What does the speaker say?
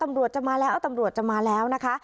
ตำรวจจะมาแล้วตำรวจจะมาแล้วนะคะ